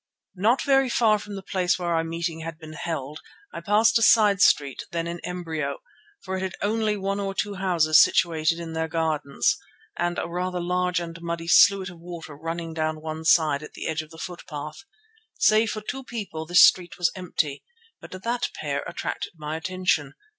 Not very far from the place where our meeting had been held I passed a side street then in embryo, for it had only one or two houses situated in their gardens and a rather large and muddy sluit of water running down one side at the edge of the footpath. Save for two people this street was empty, but that pair attracted my attention.